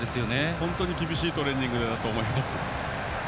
本当に厳しいトレーニングだと思います。